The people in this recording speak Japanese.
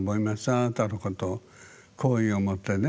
あなたのことを好意を持ってね。